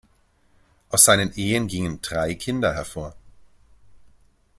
Aus seinen Ehen gingen drei Kinder hervor.